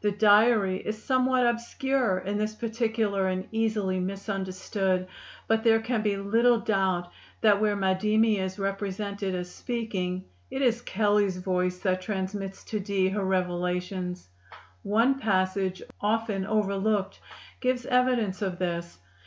The diary is somewhat obscure in this particular and easily misunderstood; but there can be little doubt that where Madimi is represented as speaking, it is Kelley's voice that transmits to Dee her revelations. One passage, often overlooked, gives evidence of this.